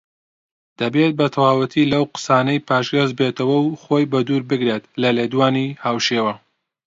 دەبێت بەتەواوەتی لەو قسانەی پاشگەزبێتەوە و خۆی بە دوور بگرێت لە لێدوانی هاوشێوە